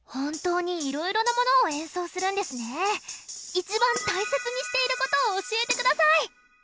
いちばん大切にしていることを教えてください！